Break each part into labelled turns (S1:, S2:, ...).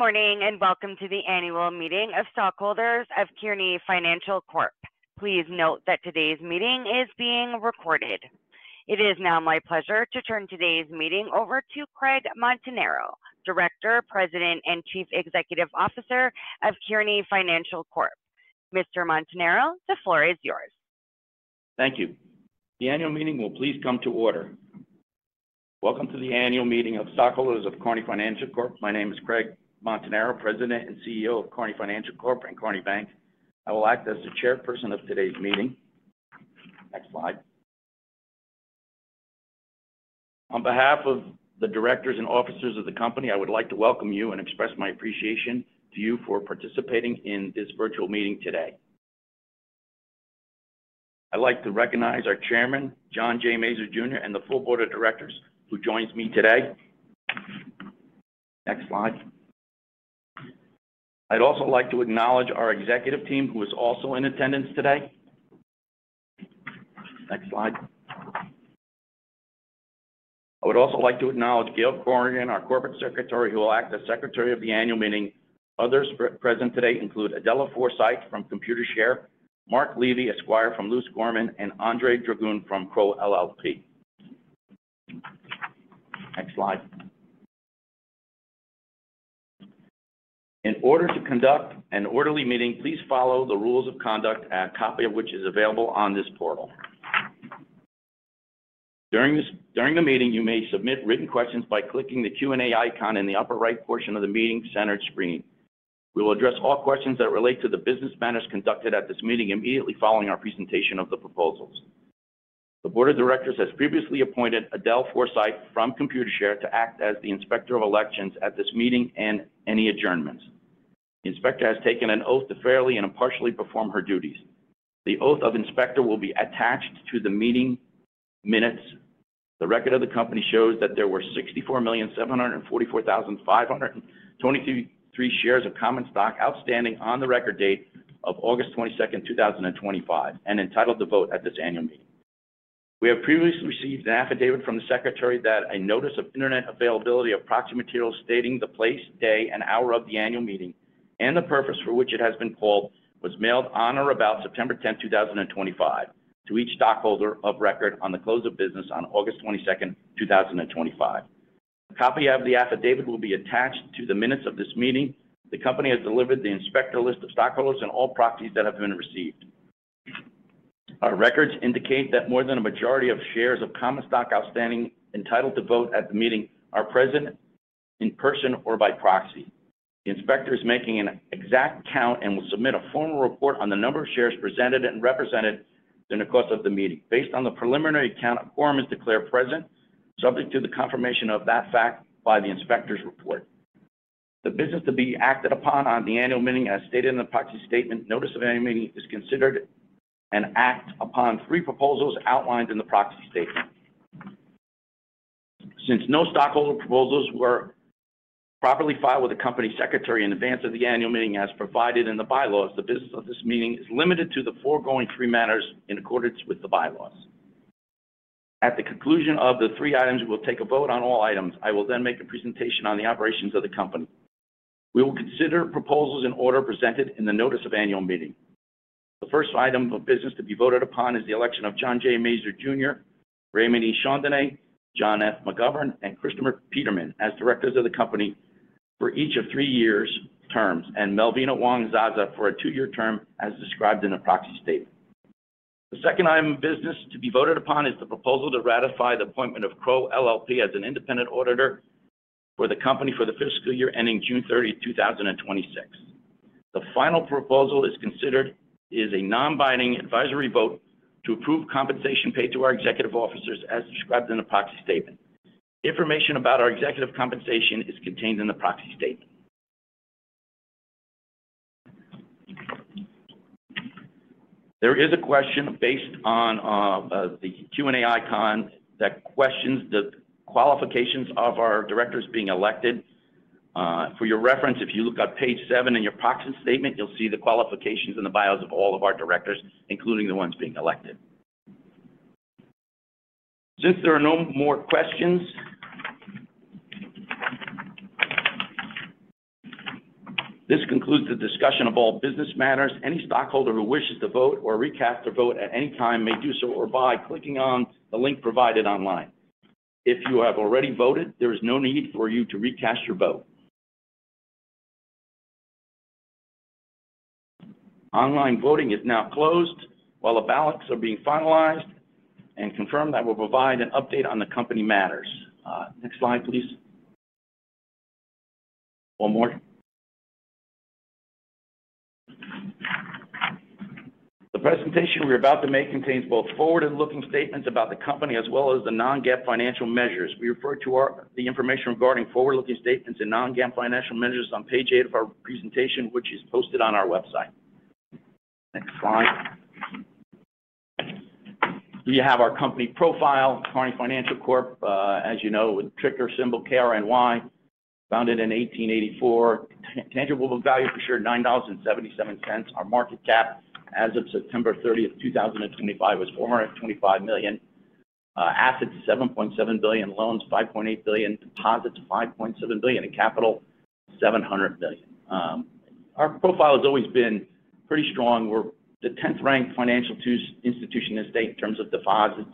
S1: Good morning and welcome to the Annual Meeting of Stockholders of Kearny Financial Corp. Please note that today's meeting is being recorded. It is now my pleasure to turn today's meeting over to Craig Montanaro, Director, President, and Chief Executive Officer of Kearny Financial Corp. Mr. Montanaro, the floor is yours.
S2: Thank you. The annual meeting will please come to order. Welcome to the Annual Meeting of Stockholders of Kearny Financial Corp. My name is Craig Montanaro, President and CEO of Kearny Financial Corp. and Kearny Bank. I will act as the Chairperson of today's meeting. Next slide. On behalf of the directors and officers of the company, I would like to welcome you and express my appreciation to you for participating in this virtual meeting today. I'd like to recognize our Chairman, John J. Mazur Jr., and the full Board of Directors who joined me today. Next slide. I'd also like to acknowledge our executive team who is also in attendance today. Next slide. I would also like to acknowledge Gail Corrigan, our Corporate Secretary, who will act as Secretary of the annual meeting. Others present today include Adela Forsyth from Computershare, Mark Levy, Esquire. from Luse Gorman, and Andrey Dragun from Crowe LLP. Next slide. In order to conduct an orderly meeting, please follow the rules of conduct, a copy of which is available on this portal. During the meeting, you may submit written questions by clicking the Q&A icon in the upper right portion of the meeting center screen. We will address all questions that relate to the business matters conducted at this meeting immediately following our presentation of the proposals. The Board of Directors has previously appointed Adela Forsyth from Computershare to act as the Inspector of Elections at this meeting and any adjournments. The Inspector has taken an oath to fairly and impartially perform her duties. The oath of Inspector will be attached to the meeting minutes. The record of the company shows that there were 64,744,523 shares of common stock outstanding on the record date of August 22, 2025, and entitled to vote at this annual meeting. We have previously received an affidavit from the Secretary that a notice of internet availability of proxy materials stating the place, day, and hour of the annual meeting and the purpose for which it has been called was mailed on or about September 10, 2025, to each stockholder of record on the close of business on August 22, 2025. A copy of the affidavit will be attached to the minutes of this meeting. The company has delivered the Inspector list of stockholders and all proxies that have been received. Our records indicate that more than a majority of shares of common stock outstanding entitled to vote at the meeting are present in person or by proxy. The inspector is making an exact count and will submit a formal report on the number of shares presented and represented during the course of the meeting. Based on the preliminary count, a quorum is declared present, subject to the confirmation of that fact by the inspector's report. The business to be acted upon at the annual meeting, as stated in the proxy statement notice of annual meeting, is to consider and act upon three proposals outlined in the proxy statement. Since no stockholder proposals were properly filed with the Corporate Secretary in advance of the annual meeting, as provided in the bylaws, the business of this meeting is limited to the foregoing three matters in accordance with the bylaws. At the conclusion of the three items, we will take a vote on all items. I will then make a presentation on the operations of the company. We will consider proposals in the order presented in the notice of annual meeting. The first item of business to be voted upon is the election of John J. Mazur Jr., Raymond E. Chandonnet, John F. McGovern, and Christopher Peterman as directors of the company for each of three-year terms, and Melvina Wong-Zaza for a two-year term, as described in the proxy statement. The second item of business to be voted upon is the proposal to ratify the appointment of Crowe LLP as independent auditor for the company for the fiscal year ending June 30, 2026. The final proposal is considered a non-binding advisory vote to approve compensation paid to our executive officers, as described in the proxy statement. Information about our executive compensation is contained in the proxy statement. There is a question based on the Q&A icon that questions the qualifications of our directors being elected. For your reference, if you look at page seven in your proxy statement, you'll see the qualifications in the bylaws of all of our directors, including the ones being elected. Since there are no more questions, this concludes the discussion of all business matters. Any stockholder who wishes to vote or recast their vote at any time may do so by clicking on the link provided online. If you have already voted, there is no need for you to recast your vote. Online voting is now closed while the ballots are being finalized and confirmed. We will provide an update on the company matters. Next slide, please. One more. The presentation we're about to make contains both forward-looking statements about the company as well as the non-GAAP financial measures. We refer to the information regarding forward-looking statements and non-GAAP financial measures on page eight of our presentation, which is posted on our website. Next slide. We have our company profile, Kearny Financial Corp., as you know, with the ticker symbol KRNY, founded in 1884. Tangible value for share $9.77. Our market cap as of September 30, 2025, was $425 million. Assets $7.7 billion, loans $5.8 billion, deposits $5.7 billion, and capital $700 million. Our profile has always been pretty strong. We're the 10th ranked financial institution in the state in terms of deposits,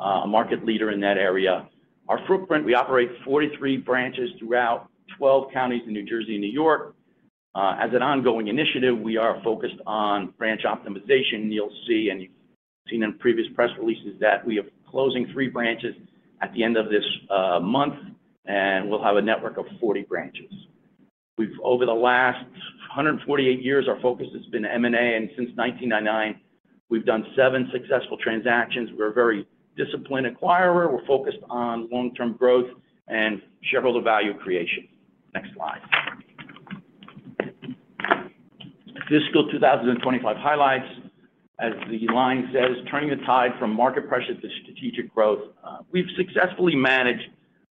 S2: a market leader in that area. Our footprint, we operate 43 branches throughout 12 counties in New Jersey and New York. As an ongoing initiative, we are focused on branch optimization. You'll see, and you've seen in previous press releases, that we are closing three branches at the end of this month, and we'll have a network of 40 branches. Over the last 148 years, our focus has been M&A, and since 1999, we've done seven successful transactions. We're a very disciplined acquirer. We're focused on long-term growth and shareholder value creation. Next slide. Fiscal 2025 highlights, as the line says, turning the tide from market pressure to strategic growth. We've successfully managed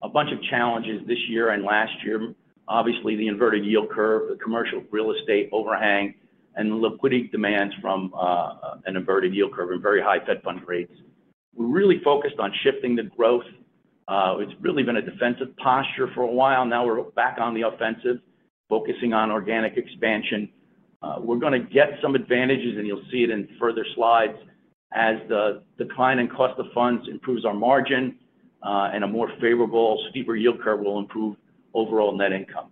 S2: a bunch of challenges this year and last year. Obviously, the inverted yield curve, the commercial real estate overhang, and the liquidity demands from an inverted yield curve and very high Fed Funds rates. We're really focused on shifting the growth. It's really been a defensive posture for a while. Now we're back on the offensive, focusing on organic expansion. We're going to get some advantages, and you'll see it in further slides, as the decline in cost of funds improves our margin, and a more favorable, steeper yield curve will improve overall net income.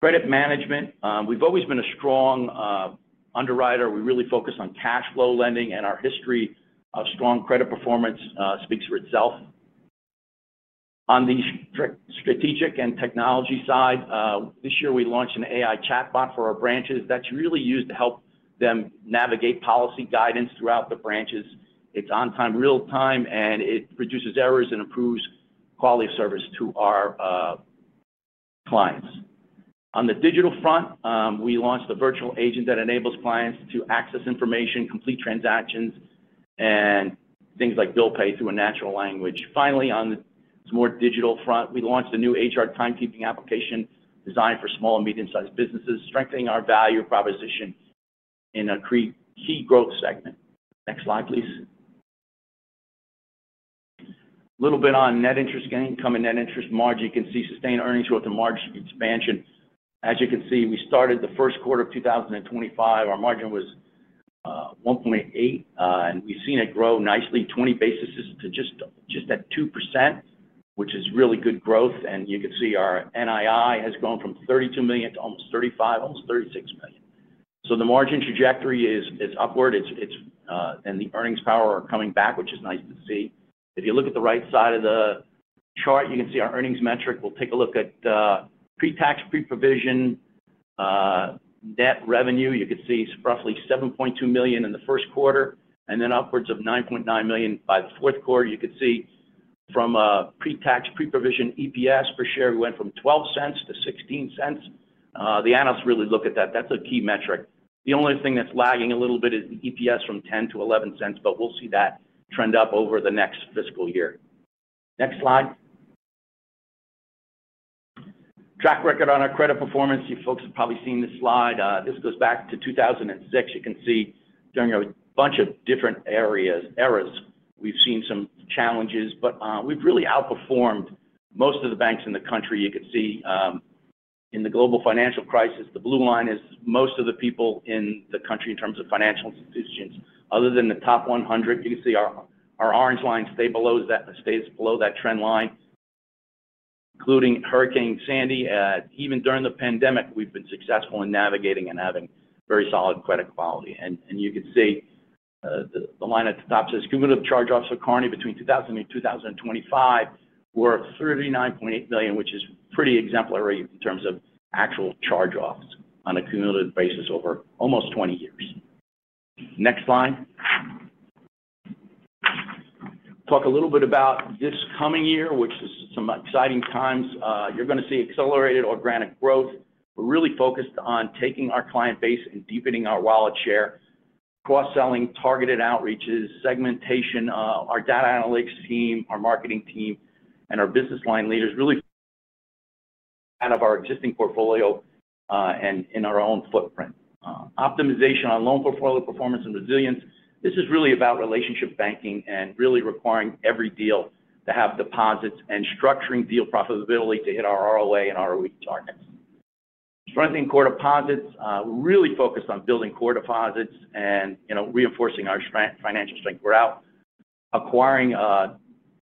S2: Credit management, we've always been a strong underwriter. We really focus on cash flow lending, and our history of strong credit performance speaks for itself. On the strategic and technology side, this year we launched an AI chatbot for our branches that's really used to help them navigate policy guidance throughout the branches. It's on time, real time, and it reduces errors and improves quality of service to our clients. On the digital front, we launched a virtual agent that enables clients to access information, complete transactions, and things like bill pay through a natural language. Finally, on the more digital front, we launched a new HR timekeeping application for small-and-medium sized businesses, strengthening our value proposition in a key growth segment. Next slide, please. A little bit on net interest income and net interest margin. You can see sustained earnings growth and margin expansion. As you can see, we started the first quarter of fiscal 2025. Our margin was 1.8%, and we've seen it grow nicely, 20 basis to just at 2%, which is really good growth. You can see our NII has grown from $32 million to almost $35 million, almost $36 million. The margin trajectory is upward, and the earnings power are coming back, which is nice to see. If you look at the right side of the chart, you can see our earnings metric. We'll take a look at pre-tax, pre-provision net revenue. You can see roughly $7.2 million in the first quarter, and then upwards of $9.9 million by the fourth quarter. You can see from a pre-tax, pre-provision EPS per share, we went from $0.12- $0.16. The analysts really look at that. That's a key metric. The only thing that's lagging a little bit is the EPS from $0.10-$0.11, but we'll see that trend up over the next fiscal year. Next slide. Track record on our credit performance. You folks have probably seen this slide. This goes back to 2006. You can see during a bunch of different eras, we've seen some challenges, but we've really outperformed most of the banks in the country. You can see in the global financial crisis, the blue line is most of the people in the country in terms of financial institutions. Other than the top 100, you can see our orange line stays below that trend line, including Hurricane Sandy. Even during the pandemic, we've been successful in navigating and having very solid credit quality. You can see the line at the top says, "Cumulative charge-offs of Kearny between [2000] and 2025 were $39.8 million," which is pretty exemplary in terms of actual charge-offs on a cumulative basis over almost 20 years. Next slide. Talk a little bit about this coming year, which is some exciting times. You're going to see accelerated organic growth. We're really focused on taking our client base and deepening our wallet share, cross-selling, targeted outreaches, segmentation, our data analytics team, our marketing team, and our business line leaders really out of our existing portfolio and in our own footprint. Optimization on loan portfolio performance and resilience. This is really about relationship banking and really requiring every deal to have deposits and structuring deal profitability to hit our ROA and ROE targets. Strengthening core deposits. We're really focused on building core deposits and reinforcing our financial strength. We're out acquiring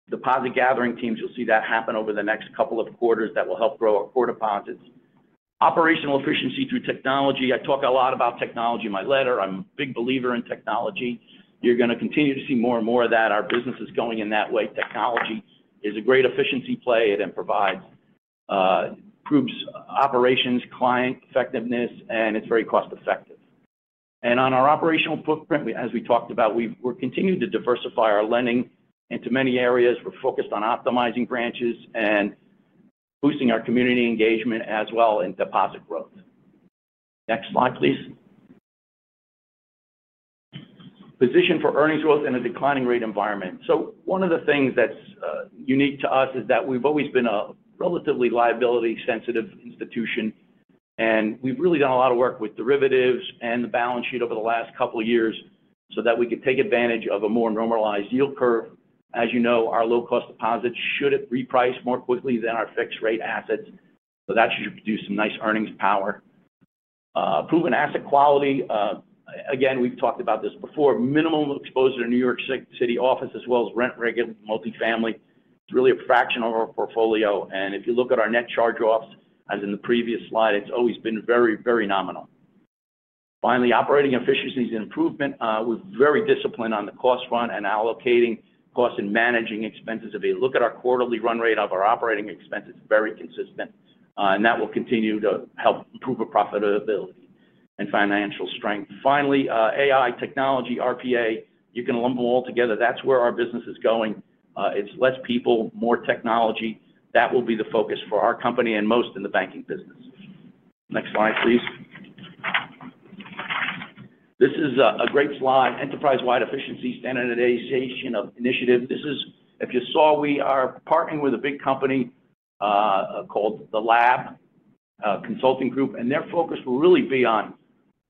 S2: deposit gathering teams. You'll see that happen over the next couple of quarters that will help grow our core deposits. Operational efficiency through technology. I talk a lot about technology in my letter. I'm a big believer in technology. You're going to continue to see more and more of that. Our business is going in that way. Technology is a great efficiency play and provides improved operations, client effectiveness, and it's very cost-effective. On our operational footprint, as we talked about, we're continuing to diversify our lending into many areas. We're focused on optimizing branches and boosting our community engagement as well in deposit growth. Next slide, please. Position for earnings growth in a declining rate environment. One of the things that's unique to us is that we've always been a relatively liability-sensitive institution, and we've really done a lot of work with derivatives and the balance sheet over the last couple of years so that we could take advantage of a more normalized yield curve. As you know, our low-cost deposits should reprice more quickly than our fixed-rate assets. That should produce some nice earnings power. Proven asset quality. Again, we've talked about this before. Minimum exposure to New York City office, as well as rent regular multifamily. It's really a fraction of our portfolio. If you look at our net charge-offs, as in the previous slide, it's always been very, very nominal. Finally, operating efficiencies and improvement. We're very disciplined on the cost front and allocating costs and managing expenses. If you look at our quarterly run rate of our operating expenses, it's very consistent, and that will continue to help improve our profitability and financial strength. Finally, AI technology, RPA. You can lump them all together. That's where our business is going. It's less people, more technology. That will be the focus for our company and most in the banking business. Next slide, please. This is a great slide. Enterprise-wide efficiency standardization of initiative. This is, if you saw, we are partnering with a big company called The Lab Consulting Group, and their focus will really be on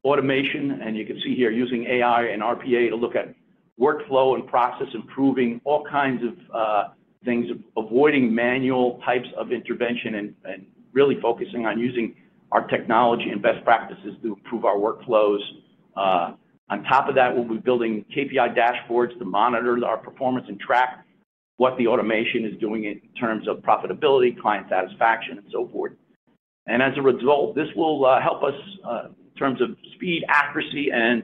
S2: automation. You can see here using AI and RPA to look at workflow and process, improving all kinds of things, avoiding manual types of intervention, and really focusing on using our technology and best practices to improve our workflows. On top of that, we'll be building KPI dashboards to monitor our performance and track what the automation is doing in terms of profitability, client satisfaction, and so forth. As a result, this will help us in terms of speed, accuracy, and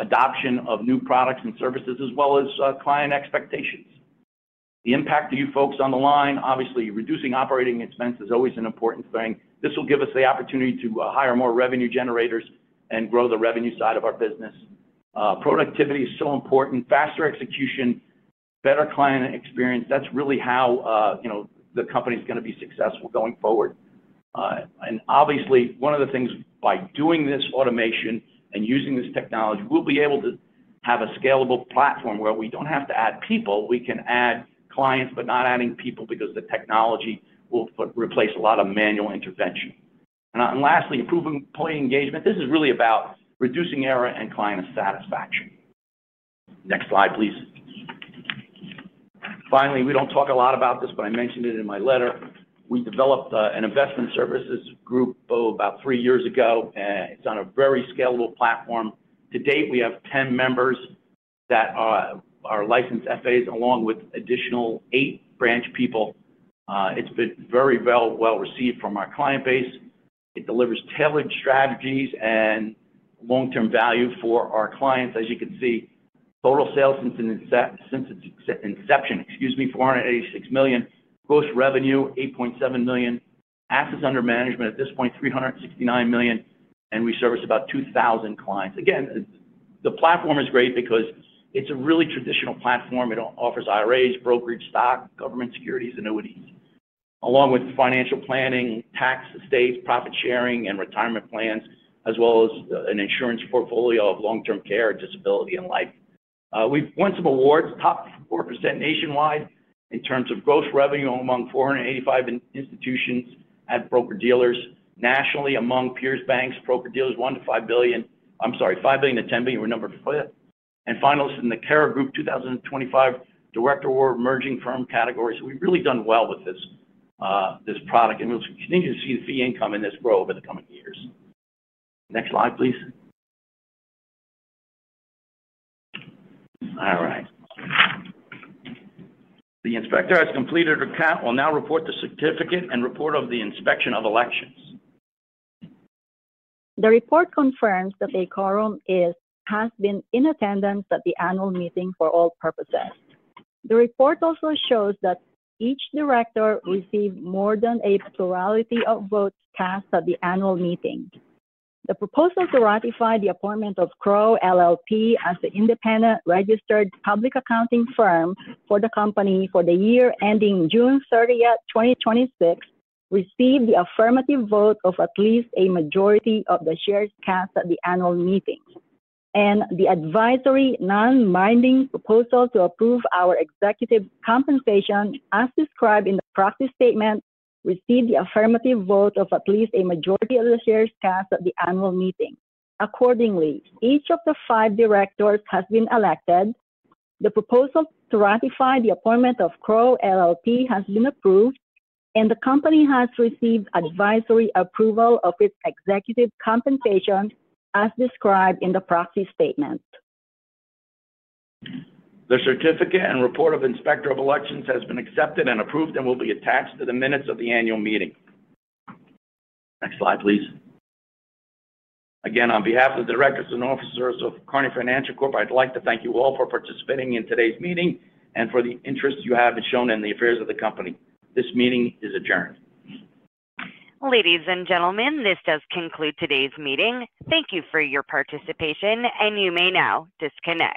S2: adoption of new products and services, as well as client expectations. The impact to you folks on the line, obviously, reducing operating expense is always an important thing. This will give us the opportunity to hire more revenue generators and grow the revenue side of our business. Productivity is so important. Faster execution, better client experience. That's really how, you know, the company is going to be successful going forward. Obviously, one of the things by doing this automation and using this technology, we'll be able to have a scalable platform where we don't have to add people. We can add clients, but not adding people because the technology will replace a lot of manual intervention. Lastly, improving employee engagement. This is really about reducing error and client satisfaction. Next slide, please. Finally, we don't talk a lot about this, but I mentioned it in my letter. We developed an investment services group about three years ago, and it's on a very scalable platform. To date, we have 10 members that are licensed FAs, along with additional eight branch people. It's been very well received from our client base. It delivers tailored strategies and long-term value for our clients. As you can see, total sales since its inception, excuse me, $486 million. Gross revenue $8.7 million. Assets under management at this point $369 million, and we service about 2,000 clients. Again, the platform is great because it's a really traditional platform. It offers IRAs, brokerage stock, government securities, annuities, along with financial planning, tax estates, profit sharing, and retirement plans, as well as an insurance portfolio of long-term care, disability, and life. We've won some awards, top 4% nationwide in terms of gross revenue among 485 institutions at broker dealers nationally, among peer banks, broker dealers $5 billion-$10 billion. We're number five and finalist in the Cara Group 2025 Director Award Emerging Firm category. We've really done well with this product, and we'll continue to see the fee income in this grow over the coming years. Next slide, please. All right. The inspector has completed or will now report the certificate and report of the inspection of elections.
S3: The report confirms that Gail Corrigan has been in attendance at the annual meeting for all purposes. The report also shows that each director received more than a plurality of votes cast at the annual meeting. The proposal to ratify the appointment of Crowe LLP as the independent registered public accounting firm for the company for the year ending June 30th, 2026, received the affirmative vote of at least a majority of the shares cast at the annual meeting. The advisory non-binding proposal to approve our executive compensation, as described in the proxy statement, received the affirmative vote of at least a majority of the shares cast at the annual meeting. Accordingly, each of the five directors has been elected. The proposal to ratify the appointment of Crowe LLP has been approved, and the company has received advisory approval of its executive compensation, as described in the proxy statement.
S2: The certificate and report of Inspector of Elections has been accepted and approved and will be attached to the minutes of the annual meeting. Next slide, please. Again, on behalf of the directors and officers of Kearny Financial Corp., I'd like to thank you all for participating in today's meeting and for the interest you have shown in the affairs of the company. This meeting is adjourned.
S1: Ladies and gentlemen, this does conclude today's meeting. Thank you for your participation, and you may now disconnect.